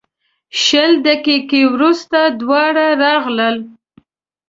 شل دقیقې وروسته دواړه راغلل.